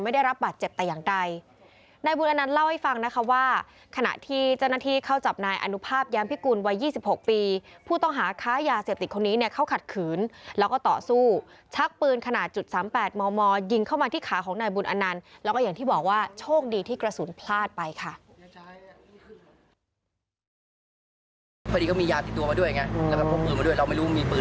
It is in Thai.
ด้วยฟังนะคะว่าขณะที่เจ้าหน้าที่เข้าจับนายอนุภาพยามพิกุลวัย๒๖ปีผู้ต้องหาค้ายาเสียบติดคนนี้เข้าขัดขืนแล้วก็ต่อสู้ชักปืนขนาด๓๘มมยิงเข้ามาที่ขาของนายบุญอนันต์แล้วก็อย่างที่บอกว่าโชคดีที่กระสุนพลาดไปค่ะ